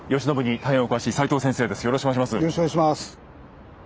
よろしくお願いします。